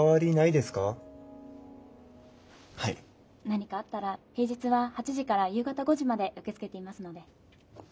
何かあったら平日は８時から夕方５時まで受け付けていますので。